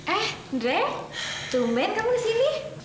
eh reh cumen kamu kesini